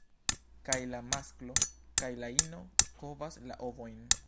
Kaj la masklo kaj la ino kovas la ovojn.